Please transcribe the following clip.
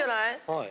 はい。